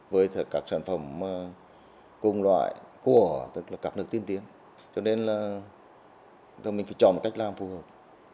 với các sản phẩm cùng loại của các nước tiên tiến cho nên là chúng ta phải chọn một cách làm phù hợp